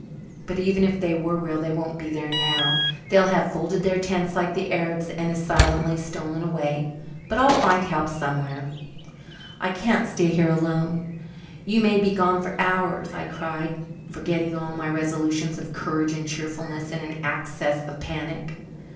But even if they were real they won't be there now they'll have folded their tents like the Arabs and as silently stolen away. But I'll find help somewhere." "I can't stay here alone. You may be gone for hours," I cried, forgetting all my resolutions of courage and cheerfulness in an access of panic.